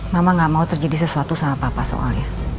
mama gak mau terjadi sesuatu sama papa soalnya